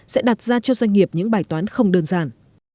sẽ đặt ra cho doanh nghiệp những bài toán không đơn giản